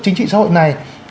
chính trị xã hội này